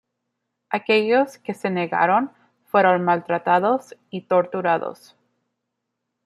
Aquellos que se negaron fueron maltratados y torturados.